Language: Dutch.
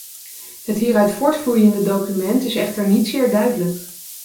Het hieruit voortvloeiende document is echter niet zeer duidelijk.